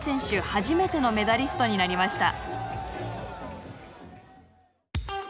初めてのメダリストになりました。